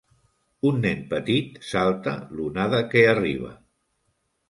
Un nen petit salta l'onada que arriba.